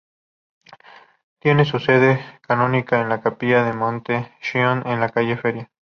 Tiene su sede canónica en la capilla de Monte-Sion, en la calle Feria.